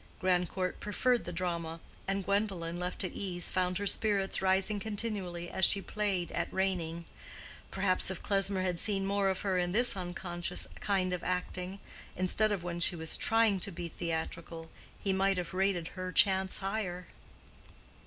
Grandcourt preferred the drama; and Gwendolen, left at ease, found her spirits rising continually as she played at reigning. Perhaps if Klesmer had seen more of her in this unconscious kind of acting, instead of when she was trying to be theatrical, he might have rated her chance higher.